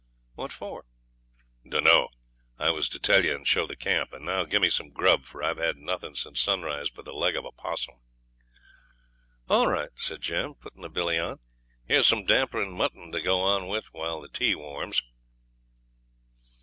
'What for?' 'Dunno. I was to tell you, and show the camp; and now gimme some grub, for I've had nothing since sunrise but the leg of a 'possum.' 'All right,' said Jim, putting the billy on; 'here's some damper and mutton to go on with while the tea warms.'